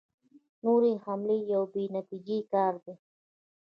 نورې حملې یو بې نتیجې کار دی.